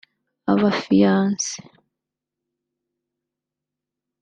abafiance